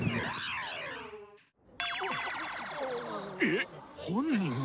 えっ本人？